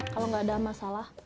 kalau gak ada masalah